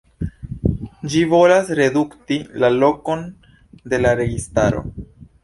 Ĝi volas redukti la lokon de la registaro.